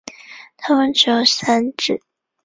它们只有三趾。